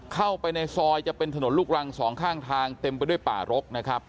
เข้าไปในซอยจะเป็นถนนลูกรังสองข้างทางเต็มไปด้วยป่ารกนะครับ